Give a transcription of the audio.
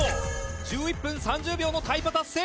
「１１分３０秒もタイパ達成！」